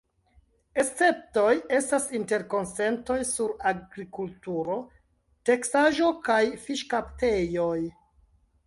Esceptoj estas interkonsentoj sur agrikulturo, teksaĵo kaj fiŝkaptejoj.